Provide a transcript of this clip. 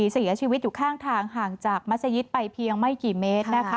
เสียชีวิตอยู่ข้างทางห่างจากมัศยิตไปเพียงไม่กี่เมตร